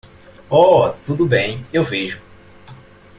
Oh, tudo bem, eu vejo.